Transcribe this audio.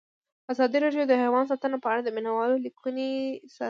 ازادي راډیو د حیوان ساتنه په اړه د مینه والو لیکونه لوستي.